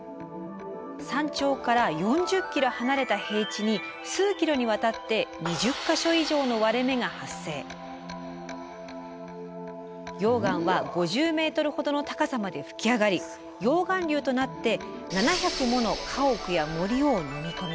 山頂から４０ｋｍ離れた平地に数キロにわたって溶岩は５０ｍほどの高さまで噴き上がり溶岩流となって７００もの家屋や森をのみ込みました。